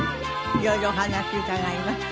色々お話伺います。